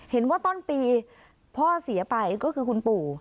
เห็นว่าต้นปีพ่อเสียไปก็คือคุณปู่